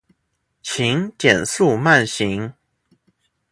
请减速慢行